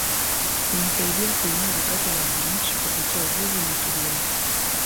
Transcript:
Inasaidia kuinua vipato vya wananchi kupitia uvuvi na kilimo